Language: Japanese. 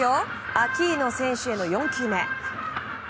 アキーノ選手への４球目。